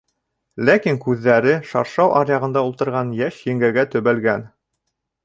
Ләкин күҙҙәре шаршау аръяғында ултырған йәш еңгәгә төбәлгән.